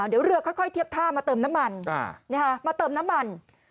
เดี๋ยวเรือค่อยเทียบท่ามาเติมน้ำมันมาเติมน้ำมัน